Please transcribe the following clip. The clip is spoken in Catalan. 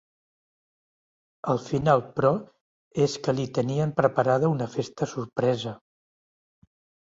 Al final, però, és que li tenien preparada una festa sorpresa.